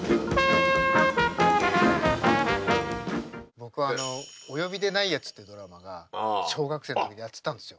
僕あの「オヨビでない奴！」っていうドラマが小学生の時にやってたんですよ。